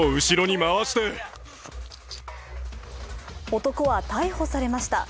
男は逮捕されました。